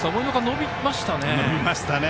伸びましたね。